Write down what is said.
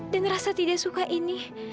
dan rasa tidak suka ini